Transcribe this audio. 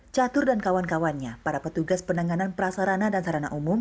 catur dan kawan kawannya para petugas penanganan prasarana dan sarana umum